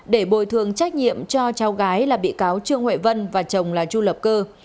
để bồi thường trách nhiệm cho cháu gái là bị cáo trương huệ vân và chồng là chu lập cơ